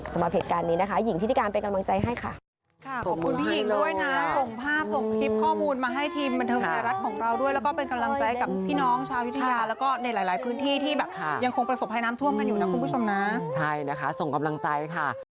สำหรับเหตุการณ์นี้นะคะหญิงพิธีการเป็นกำลังใจให้ค่ะ